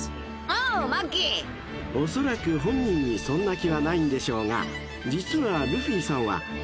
「おそらく本人にそんな気はないんでしょうが実はルフィさんはファンが」